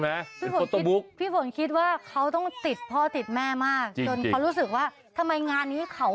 แม่เป็นงานแต่งน่ะแล้วก็ทำเป็นฟอตโมคา